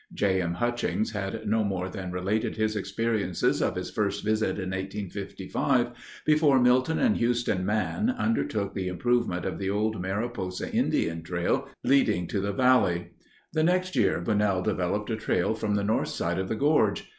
J. M. Hutchings had no more than related his experiences of his first visit in 1855 before Milton and Huston Mann undertook the improvement of the old Mariposa Indian trail leading to the valley. The next year Bunnell developed a trail from the north side of the gorge.